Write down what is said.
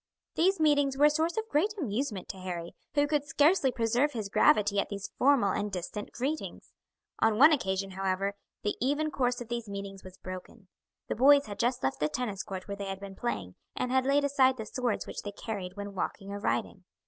These meetings were a source of great amusement to Harry, who could scarcely preserve his gravity at these formal and distant greetings. On one occasion, however, the even course of these meetings was broken. The boys had just left the tennis court where they had been playing, and had laid aside the swords which they carried when walking or riding.